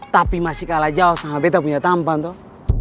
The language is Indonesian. tapi masih kalah jauh sama betta punya tampan toh